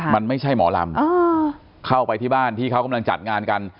มันไม่ใช่หมอลำเข้าไปที่บ้านที่เขากำลังจัดงานกัน